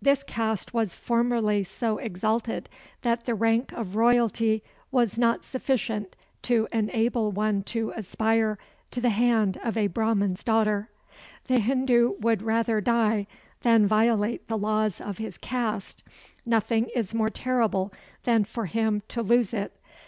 This caste was formerly so exalted that the rank of royalty was not sufficient to enable one to aspire to the hand of a Brahman's daughter. The Hindu would rather die than violate the laws of his caste. Nothing is more terrible than for him to lose it.